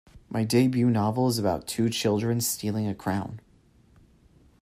My debut novel is about two children stealing a crown.